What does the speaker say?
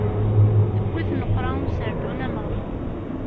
Tewwet-it nneqra userdun ameɣbun.